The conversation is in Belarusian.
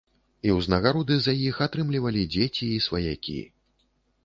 І ўзнагароды за іх атрымлівалі дзеці і сваякі.